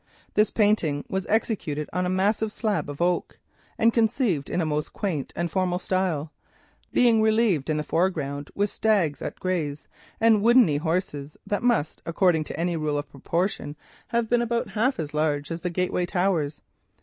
This painting was executed on a massive slab of oak, and conceived in a most quaint and formal style, being relieved in the foreground with stags at gaze and woodeny horses, that must, according to any rule of proportion, have been about half as large as the gateway towers.